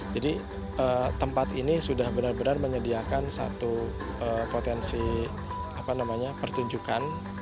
jadi tempat ini sudah benar benar menyediakan satu potensi pertunjukan